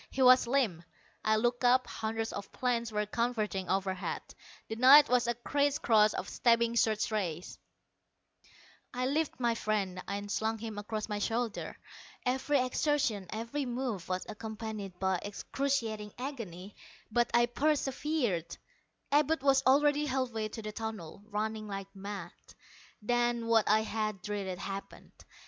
He was limp. I looked up. Hundreds of planes were converging overhead; the night was a criss cross of stabbing search rays. I lifted my friend and slung him across my shoulder. Every exertion, every move, was accompanied by excruciating agony, but I persevered. Abud was already halfway to the tunnel, running like mad. Then, what I had dreaded, happened.